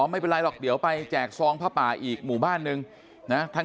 ไม่เป็นไรหรอกเดี๋ยวไปแจกซองผ้าป่าอีกหมู่บ้านนึงนะ